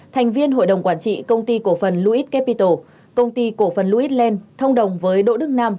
thành viên hội đồng quản trị công ty cổ phần lewis capital công ty cổ phần lewis land thông đồng với đỗ đức nam